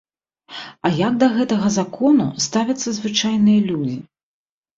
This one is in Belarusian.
А як да гэтага закону ставяцца звычайныя людзі?